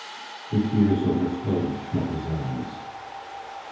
The tears overflowed Schmucke's eyes.